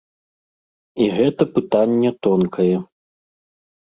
І гэта пытанне тонкае.